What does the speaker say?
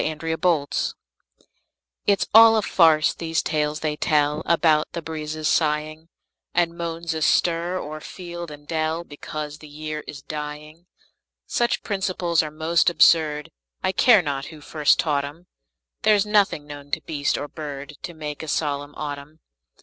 MERRY AUTUMN It's all a farce, these tales they tell About the breezes sighing, And moans astir o'er field and dell, Because the year is dying. Such principles are most absurd, I care not who first taught 'em; There's nothing known to beast or bird To make a solemn autumn.